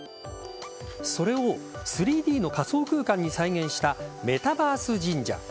それを３Ｄの仮想空間に再現したメタバース神社。